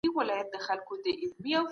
ايا په سياست کې تل د زور خبره کېږي؟